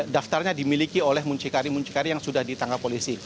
daftarnya dimiliki oleh muncikari muncikari yang sudah ditangkap polisi